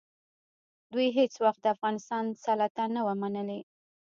دوی هېڅ وخت د افغانستان سلطه نه وه منلې.